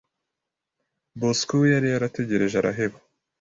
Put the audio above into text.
Bosco we yari yarategereje araheba,